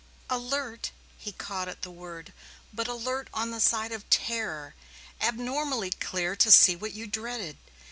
"Alert!" he caught at the word. "But alert on the side of terror abnormally clear to see what you dreaded.